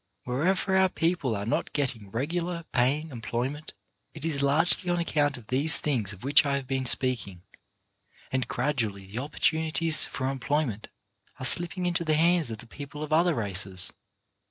Wherever our people are not getting regular, paying employ ment, it is largely on account of these things of which I have been speaking; and gradually the opportunities for employment are slipping into the hands of the people of other races.